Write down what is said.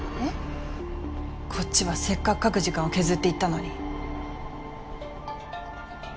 こっちはせっかく書く時間を削って行ったのに。